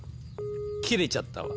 切れちゃったわ。